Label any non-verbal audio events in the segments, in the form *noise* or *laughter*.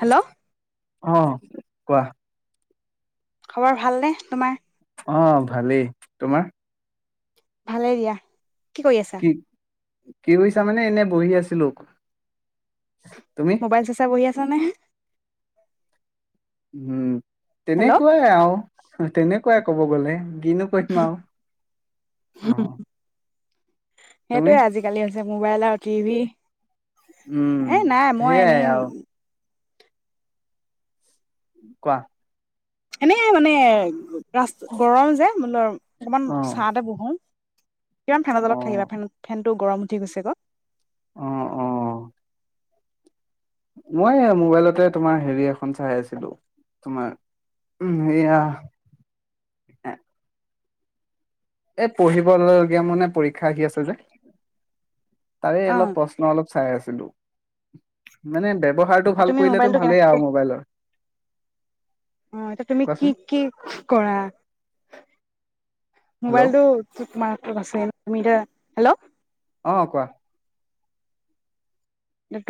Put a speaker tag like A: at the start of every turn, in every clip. A: Hello,
B: অ' কোৱা!
A: খবৰ ভালনেে তোমাৰ?
B: অ' ভালেই তোমাৰ?
A: ভালে দিয়া। কি কৰি আছা?
B: কি কৰিছা মানে এনে বহি আছিলো। তুমি
A: মোবাইল চাই চাই বহি আছোঁ। নে?
B: উম!
A: হেল্ল'
B: তেনেকুৱাই আৰু তেনেকুৱাই ক'ব গ'লে, কিনো কৰি থাকিম আৰু অ' তুমি
A: সেইটোয়ে আজিকালি মোবাইল আৰু টিভি,
B: উম
A: এ নাই মই
B: সেইয়া
A: এনেই
B: আৰু কোৱা!
A: এনেই মানে ৰাস্তা গৰম যে মো ল অকমান
B: অ
A: ছাহতে বহো কিমান ফেনৰ
B: অ
A: তলত থাকিবা ফেন ফেন টো গৰম উঠি গৈছে গ
B: অ অ' মই মোবাইলতে তোমাৰ হেৰি এখন চাই আছিলো তোমাৰ সেয়া এ, পঢ়িবগীয়া মানে পৰীক্ষা আহি আছে যে। তাৰে
A: অ
B: অলপ প্ৰশ্ন অলপ চাই আছে ে দে *unintelligible* ব্যৱহাৰটো ভাল
A: তুমি
B: কৰিলে টো
A: মোবাইলটো
B: ভালেই
A: কেনেকে
B: আৰু মোবাইলৰ
A: অ' ত তুমি কি
B: কোৱাচোন
A: কি কৰা
B: হেল্ল'
A: মোবাইলটো *unintelligible* মাৰ আছিল। *unintelligible* হেল্ল'।
B: অ' কোৱা!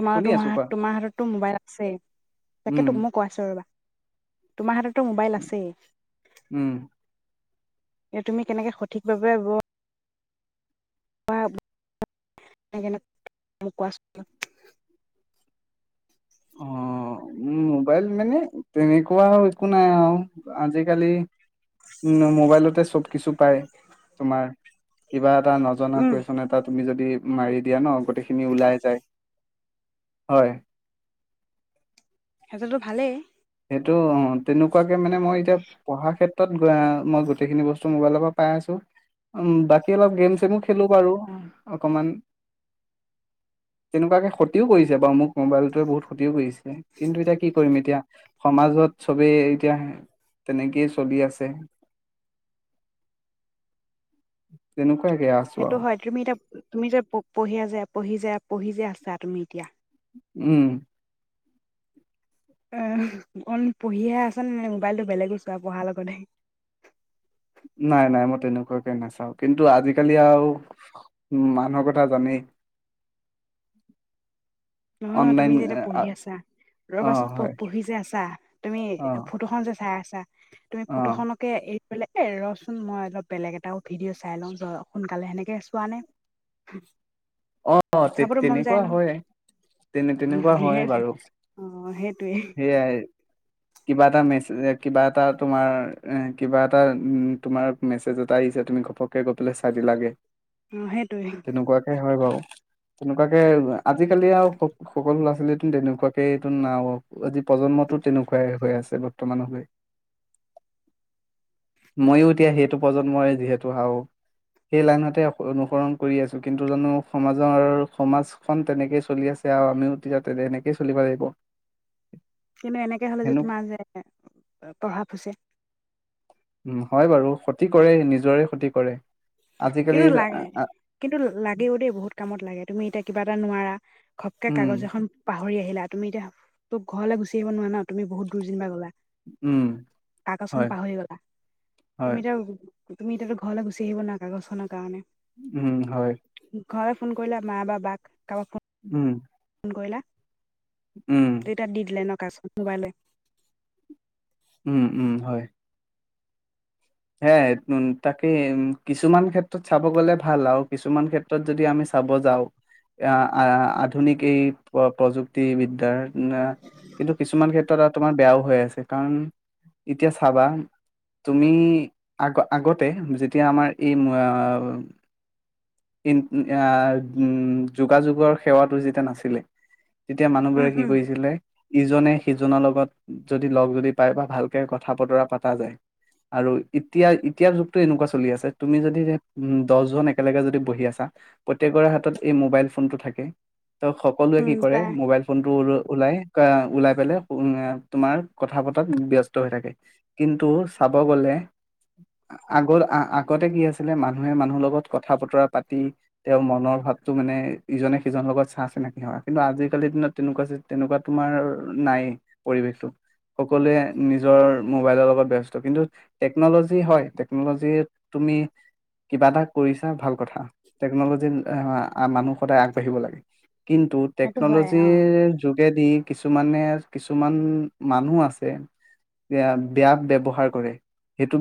A: তোমাৰ
B: শুনি
A: তো
B: আছো কোৱা
A: তোমাৰ হাততটো মোবাইল সেই তাকে
B: উম
A: তোক মই কৈ আছো ৰ'বা তোমাৰ, তো মোবাইল আছেই
B: উম
A: এ তুমি কেনেকে সঠিকভাৱে বোৱা। *unintelligible* কোৱাচোন *unintelligible*
B: অ মোবাইল মানে তেনেকুৱা একো নাই আৰু আজিকালি উম মোবাইলতে চব কিছু পায় তোমাৰ কিবাত এটা নজনা
A: উম
B: কোৱেচন এটা তুমি যদি মাৰি দিয়া ন গোটেইখিনি ওলাই যায়। হয়,
A: সিহঁতো ভালেই,
B: সেইটো অ তেনেকুৱা, তেনেকুৱাকে মানে মই এতিয়া পঢ়া ক্ষেত্ৰত মই গোটেইখিনি বস্তু মোবাইলৰ পৰা পাই আছো উম বাকী অলপ গেম চছেমো খেলো বাৰু অকমান তেনেকুৱাকে কতিও কৰিছে বাৰু মোক মোবাইলটোৱে বহুত ক্ষতিও কৰিছে কিন্তু এতিয়া কি কৰিম এতিয়া। সমাজত চ'বেই এতিয়া তেনেকেই চলি আছে। তেনেকুৱা,
A: সেইটো হয়, তুমি এতিয়া তুমি যে পঢ়িয়া যে, পঢ়ি যে পঢ়ি যে আছা, তুমি এতিয়া।
B: উম,
A: অ অ, পঢ়িহে আছা নে? মোবাইলটো বেলেগো চোৱা আৰু পঢ়াৰ লগতে।
B: নাই নাই, মই তেনেকুৱাকে নাচাও, কিন্তু আজিকালি আৰু উ মানুহৰ কথা জানেই।
A: নহয়, নহয়, তুমি
B: অনলাইন
A: যে এতিয়া পঢ়ি আছা,
B: অ
A: ৰ'বাচোন
B: হয়
A: পঢ়ি যে আছা তুমি
B: অ
A: ফটোখন যে চাই আছ তুমি
B: অ
A: ফটো খনকে এ, বোলে, এ ৰচোন মই অলপ বেলেগ এটা ভিডিঅ' চাই লওঁ সোনকালে হেনেকে চোৱা নে?
B: অ! তে
A: চাবতো মন যায়
B: তেনেকুৱা হয়। তেনে
A: অ,
B: তেনেকুৱা হয় বাৰু
A: সেইটোৱে।
B: সেয়াই কিবা এটা মেছেজ কিবা এটা তোমাৰ, এ কিবা এটা উ তোমাৰ মেছেজ এটা আহিছে তুমি ঘপককে গৈ পেলাই চাই দিলাগে।
A: অ', সেইটোৱে।
B: তেনেকুৱাকে হয় বাৰু, তেনেকুৱাকে! আজিকালি আৰু, সকলো ল'ৰা ছোৱালীয়ে তেনেকুৱাকেটো নাও আজি প্ৰজন্মটো তেনেকুৱাই হৈ আছে বৰ্তমানলৈ, ময়ো এতিয়া সেইটো প্ৰজন্মই যিহেতু আও সেই লাইনতে অনুসৰণ কৰি আছোঁ কিন্তু জানো, সমাজৰ সমাজখন তেনেকেই চলি আছে আৰু, আমিও তেতিয়া তে তেনেকেই চলিব লাগিব।
A: কিন্তু এনেকে হলে যে,
B: হেনো
A: তোমাৰ যে প্ৰভাৱ হৈছে।
B: উ! হয় বাৰু ক্ষতি কৰে, নিজৰে ক্ষতি কৰে। আজিকালি
A: কিন্তু লাগে কিন্তু লাগেও দেই বহুত কামত লাগে, তুমি এতিয়া কিবা এটা নোৱাৰা। *inaudible* ঘপকে কাগজ
B: উম
A: এখন, পা পাহৰি আহিলা, তুমি এতিয়া তো ঘৰলৈ গুচি আহিব নোৱাৰা ন! তুমি বহুত দূৰ যেনিব গ'লা,
B: উম
A: কাগজখন
B: হয়
A: পাহৰি গলা তুমি
B: হয়
A: এতিয়া, তুমি এতিয়া টো ঘৰলৈ গুচি আহিব নোৱাৰা। কাগজখনৰ কাৰণে।
B: উম, হয়।
A: ঘৰলৈ ফোন কৰিলে, মা বা বাক কাৰোবাক,
B: উম!
A: ফোন কৰিলা?
B: উম
A: ত, এতিয়া দি দিলে ন? *inaudible*
B: উম! উম, হয়। হে তাকে কিছুমান ক্ষেত্ৰত চাব গ'লে ভাল, আৰু কিছুমান ক্ষেত্ৰত যদি আমি চাব যাওঁ, আহ আধুনিক এই প্ৰযুক্তি বিদ্যাৰ। উ! কিন্তু, কিছুমান ক্ষেত্ৰত তোমাৰ বেয়াও হৈ আছে। কাৰণ, এতিয়া চাবা তুমি আগ আগতে, যেতিয়া আমাৰ এই ই আহ উম! যোগাযোগৰ সেৱাটো যেতিয়া নাছিলে, তেতিয়া
A: উম
B: মানুহবোৰে কি
A: উম
B: কৰিছিলে ইজনে। সিজনৰ লগত যদি লগ যদি পায় বা ভালকে কথা বতৰা পতা যায় আৰু। এতিয়া এতিয়াৰ যুগটো এনেকুৱা চলি আছে তুমি যদি দহজন একেলগে যদি বহি আছা প্ৰত্যেকৰে হাতত এই মোবাইল ফোনটো থাকে ত' সকলোৱে
A: উম
B: কি কৰে
A: তাই
B: মোবাইল ফোন টো ওলাই। ওলাই পেলাই তোমাৰ কথা পতাত ব্যস্ত হৈ থাকে কিন্তু চাব গ'লে। আগৰ আগতে কি আছিলে মানুহে মানুহৰ লগত কথা বতৰা পাতি তেওঁৰ মনৰ ভাৱটো মানে ইজনে সিজনৰ লগত চা চিনাকি হোৱা কিন্তু আজিকালিৰ দিনত তেনেকুৱা তেনেকুৱা তোমাৰ নাই পৰিৱেশটো সকলোৱে নিজৰ মোবাইলৰ লগত ব্যস্ত কিন্তু *inaudible* টেকনোলজি হয়, টেকনোলজি তুমি কিবা এটা কৰিছা ভাল কথা টেকনোলজিৰ মানুহ সদায় আগবাঢ়িব লাগে *inaudible* কিন্তু
A: সেইটো হয় অ
B: টেকনোলজিৰ যোগেদি *unintelligible* কিছুমানে কিছুমান মানুহ আছে এ বেয়া ব্যৱহাৰ কৰে *inaudible*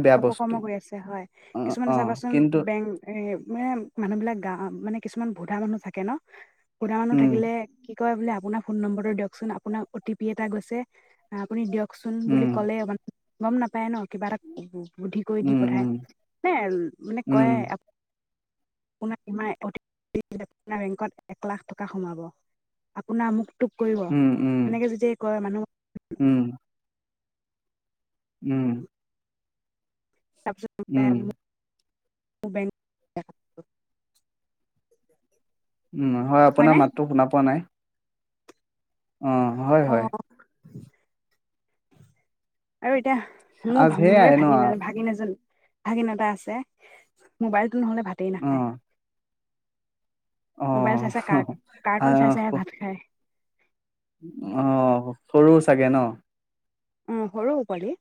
B: বেয়া বস্তু
A: অপকৰ্ম কৰি আছে হয়
B: অ
A: কিছুমানে
B: অ
A: চাবাচোন
B: কিন্তু
A: বেংক এ মানে মানুহ বিলাক গা মানে কিছুমান কিছুমান বুধা মানুহ থাকে ন *inaudible* বুঢ়া মানুহ
B: উম
A: থাকিলে কয় বোলে আপোনাৰ ফোন নম্বৰ দিয়কচোন আপুনাৰ অ তি পি এটা গৈছে আপুনি দিয়ক কচোন বুলি
B: উম
A: ক'লে অবান গম নাপেই ন কিবা এটা উহু বুদ্ধি কৰি দি
B: উম
A: পঠায় নে মানে
B: উম
A: কয় *unintelligible* আ বেংকত এক লাখ টকা সোমাব আপোনাৰ মোক তোক কৰিব
B: উম উম
A: সনেকে যেতিয়া কয় মানুহ
B: উম উম উম
A: আজি দুটাই আমি
B: উম
A: *unintelligible*
B: উম হয় আপোনাৰ
A: নে?
B: মাততো শুনা পোৱা নাই অঁ হয়
A: অ'
B: হয়
A: *unintelligible* এতিয়া
B: আজ
A: মোৰ মোৰে
B: সেয়াই
A: ভাগি ন ভাগি নাজানো ভাগীন এটা আছে মোবাইল নহ'লে ভাতেই
B: অ
A: নাখায়
B: অ
A: মোবাইল চাইছে কাৰ্টুন চাই
B: আহ
A: চাই ভাত খাই
B: অ সৰু চাগে ন
A: উ সৰুও পাৰি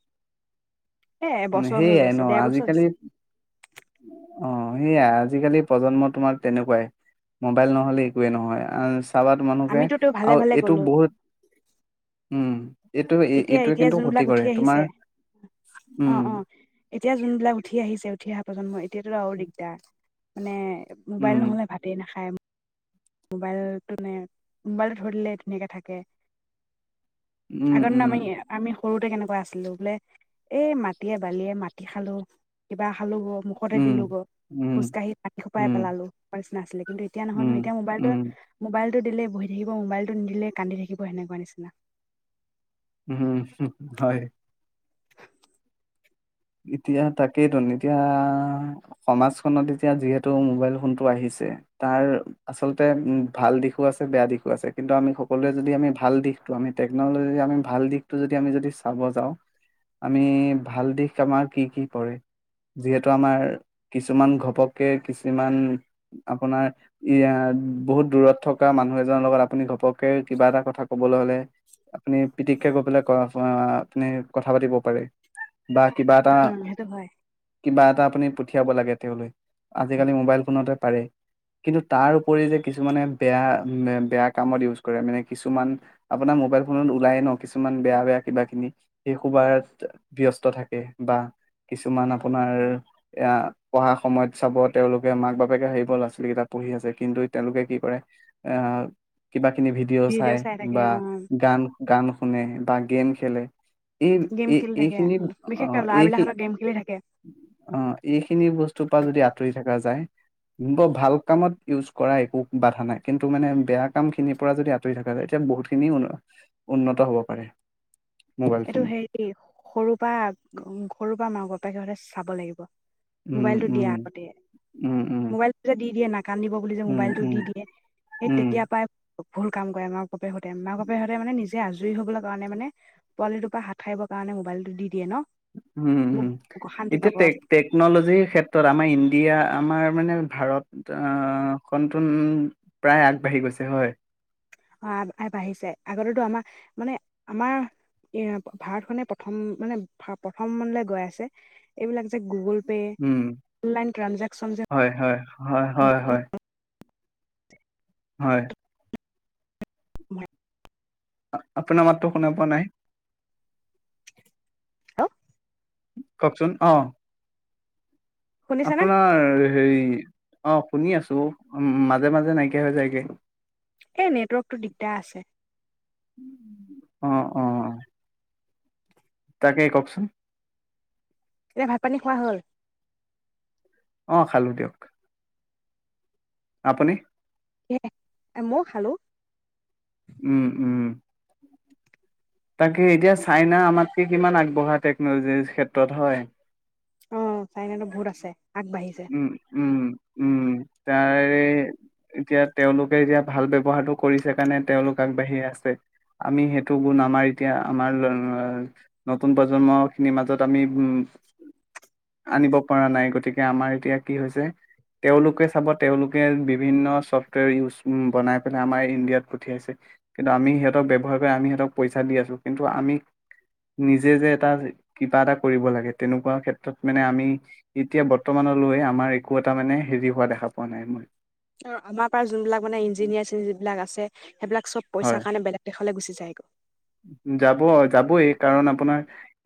B: সেইয়াই ন আজিকালি অ সেইয়া আজিকালি প্ৰজন্ম তোমাৰ তেনেকুৱাই মোবাইল নহলে একয়ে নহয় চাবাত মানুহকে
A: আমিতো তেওঁ ভালে
B: আৰু
A: ভালে
B: এইটো
A: গ'লো
B: বহুত উম এইটো
A: এতিয়া
B: এইটোৱে
A: এতিয়া
B: কিন্তু ক্ষতি
A: যোনবিলাক উঠি
B: কৰে
A: আহিছে
B: তোমাৰ, উম
A: অ' অ' এতিয়া যোনবিলাক উঠি আহিছে উঠি অহা প্ৰজন্ময় *unintelligible* দিগদাৰ। মানে, মোবাইল
B: উম
A: নহ'লে ভাতেই নাখায়। মোবাইলটো নে মোবাইলটো ধৰি দিলে ধুনীয়াকে থাকে।
B: উম
A: আগৰ ন'
B: উম
A: আমি আমি সৰু *unintelligible* কেনেকুৱা আছিলো, বোলে এই মাটিয়ে বালিয়ে মাটি খালো কিবা খালো গ, মুখতে
B: উম,
A: দিলো গ,
B: উম,
A: খোজকাঢ়ি পানী সোপাই
B: উম,
A: পেলালো নিচিনা আছিলে কিন্তু এতিয়া নহয়
B: উম,
A: নহ মোবাইল মল
B: উম,
A: মবাইল টো দিলে বহি থাকিব মোবাইল টো নিদিলে কান্দি থাকিব সেনেকুৱা নিচিনা।
B: উ হম হয়। এতিয়া তাকেইতো, এতিয়া সমাজখনত এতিয়া যিহেতু মোবাইল ফোনটো আহিছে তাৰ আচলতে ভাল দিশো আছে বেয়া দিশো আছে, কিন্তু আমি সকলোৱে যদি আমি ভাল দিশটো, আমি টেকনলজি আমি ভাল দিশটো যদি আমি যদি চাব যাওঁ, আমি ভাল দিশ *unintelligible* যিহেতু আমাৰ, কিছুমান ঘপকে কিছুমান, আপোনাৰ ই বহুত দূৰত থকা মানুহ এজনৰ লগত আপুনি ঘপক কিবা এটা কথা কবলৈ হলে আপুনি পীতিকে গৈ পেলাই ক *unintelligible* কথা পাতিব পাৰে বা কিবা
A: সেইটো হয়
B: এটা-কিবা এটা আপুনি পঠিয়াব লাগে তেওঁলৈ, আজিকালি মোবাইল ফোনতে পাৰে, কিন্তু তাৰ উপৰি যে কিছুমানে বেয়া-বেয়া কামত ইউজ কৰে মানে কিছুমান আপোনাৰ মোবাইল ফোনত ওলায়ে ন' কিছুমান বেয়া বেয়া কিবা কিবি, সেই সোপাত ব্যস্ত থাকে। *unintelligible* বা কিছুমান আপোনাৰ এয়া পঢ়া সময়ত চাব তেওঁলোকে মাক বাপেকে আহিব ল'ৰা ছোৱালী কেইটা পঢ়ি আছে কিন্তু তেওঁলোকে কি কৰে এ কিবা কিনি ভিডিঅ' চাই বা গান-গান শুনে বা গেম খেলে।
A: গেম
B: এই-এই
A: খেলি থাকে
B: এইখিনি
A: বিশেষকে
B: অ'
A: ল'ৰাবিলাকহঁতৰ গেম খেলি থাকে
B: এইখিন-অ' এইখিনি বস্তুৰ পৰা যদি আঁতৰি থকা *unintelligible* ভাল কামত ইউজ কৰা একো বাধা নাই কিন্তু মানে বেয়া কাম খিনিৰ পৰা যদি আঁতৰি থকা যায় এতিয়া বহুতখিনি উন্নত হব পাৰে। মোবাইল
A: এইটো
B: ফোনত
A: হেৰি সৰুৰ পৰা সৰুৰ পৰা মাক-বাপেক হঁতে চাব লাগিব।
B: উম
A: মোবাইলটো দিয়ে
B: উম
A: আগতে,
B: উম উম
A: মোবাইলটো যে দি দিয়ে নাকান্দিব বুলি যে
B: উম
A: মোবাইলটো
B: উম
A: দি দিয়ে, সেই
B: উম
A: তেতিয়া পাই ভুল কাম কৰে আমাক *unintelligible* মাক-বাপেকহঁতে মানে নিজ যে আজৰি হ'বৰ কাৰণে মানে পোৱালিটোৰ পৰা হাত সাৰিব কাৰণে মোবাইলটো দি দিয়ে ন'!
B: উম হম
A: মোক শান্তি
B: এতিয়া
A: নকৰক
B: টেক টেকনলজিৰ ক্ষেত্ৰত আমাৰ ইণ্ডিয়া আমাৰ, মানে ভাৰত আ *unintelligible* প্ৰায় আগবাঢ়ি গৈছে হয়!
A: আ-আগবাঢ়িছে আগতেতো আমাৰ মানে আমাৰ এ ভাৰতখনে প্ৰথম মানে প্ৰথমলে গৈ আছে, এইবিলাক যে গুগল পে
B: উম
A: অনলাইন ট্ৰেনজেকচন যে
B: হয়-হয়-হয়।
A: *inaudible*
B: হয়।
A: মই।
B: আ, আপোনাৰ মাতো শুনা পোৱা নাই।
A: আ
B: কওকচোন অ'।
A: শুনিছানে
B: আপোনাৰ হেৰি অ, শুনি আছোঁ, উম মাজে-মাজে নাইকিয়া হৈ যায়গৈ।
A: এই নেটৱৰ্কটো দিগদাৰ আছে।
B: অ'-অ'-অ' তাকে কওঁকচোন।
A: এয়া ভাত পানী খোৱা হ'ল।
B: অ খালোঁ দিয়ক। আপুনি?
A: এ মই খালোঁ।
B: উম--উম। তাকে এতিয়া চাইনা আমাতকে কিমান আগবঢ়া টেকন'লজিৰ ক্ষেত্ৰত হয়।
A: অ চাইনাতো বহুত আছে আগবাঢ়িছে
B: উম--উম--উম। উম, তাৰে এতিয়া তেওঁলোকে এতিয়া ভাল ব্যৱহাৰটো কৰিছে কাৰণে তেওঁলোক আগবাঢ়ি আছে আমি সেইটো গুণ আমাৰ এতিয়া আমাৰ *unintelligible* নতুন প্ৰজন্মখিনিৰ মাজত আমি উম আনিব পৰা নাই গতিকে আমাৰ এতিয়া কি হৈছে, তেওঁলোকে চাব তেওঁলোকে বিভিন্ন চফ্টৱেৰ ইউজ বনাই পেলাই আমাৰ ইণ্ডিয়াত পঠিয়াইছে কিন্তু আমি সিহঁতক ব্যৱহাৰ কৰি আমি সিহঁতক পইচা দি আছোঁ কিন্তু আমি নিজে যে এটা কিবা এটা কৰিব লাগে তেনেকুৱা ক্ষেত্ৰত মানে আমি এতিয়া বৰ্তমানলৈ আমাৰ একো এটা মানে হেৰি হোৱা দেখা পোৱা নাই মই।
A: অ', আমাৰ পৰা যোনবিলাক মানে ইঞ্জিনিয়াৰ চিনঞ্জিনিয়াৰবিলাক আছে সেইবিলাক
B: হয়
A: পইচাৰ কাৰণে বেলেগ দেশলৈ গুচি যায়। *unintelligible*
B: যাব যাবই কাৰণ আপোনাৰ এ